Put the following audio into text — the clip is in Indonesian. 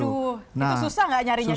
aduh itu susah nggak nyarinya di sana